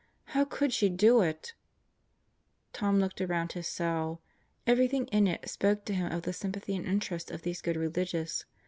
How could she do it? Tom looked around his cell. Everything in it spoke to him of the sympathy and interest of these good religious.